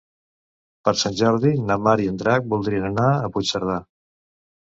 Per Sant Jordi na Mar i en Drac voldrien anar a Puigcerdà.